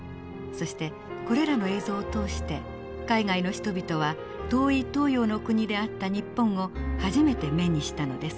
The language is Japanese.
そしてこれらの映像を通して海外の人々は遠い東洋の国であった日本を初めて目にしたのです。